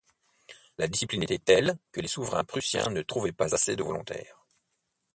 La discipline était telle que les souverains prussiens ne trouvaient pas assez de volontaires.